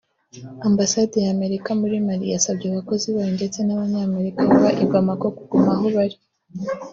Ambasade ya Amerika muri Mali yasabye abakozi bayo ndetse n’Abanyamerika baba i Bamako kuguma aho bari